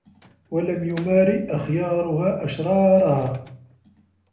وَلَمْ يُمَارِ أَخْيَارُهَا أَشْرَارَهَا